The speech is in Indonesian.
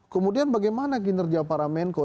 kemudian bagaimana kinerja para menko